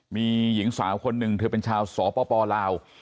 มีหญิงสาวคนหนึ่งเธอเป็นชาวสปลาว